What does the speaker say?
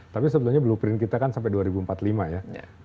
tapi sebetulnya blueprint kita kan sampai dua ribu empat puluh lima ya